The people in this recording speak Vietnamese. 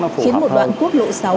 khiến một đoạn quốc lộ sáu